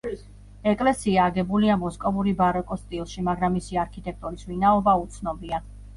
ეკლესია აგებულია მოსკოვური ბაროკოს სტილში, მაგრამ მისი არქიტექტორის ვინაობა უცნობია.